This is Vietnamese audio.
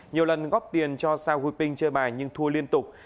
nhiều lần góp tiền cho sao huy pinh chơi bài nhưng thua liên tục